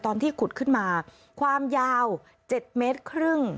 ตอนที่ขุดขึ้นมาความยาว๗เมตรครึ่ง